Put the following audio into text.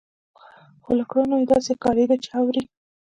خو له کړنو يې داسې ښکارېده چې اوري.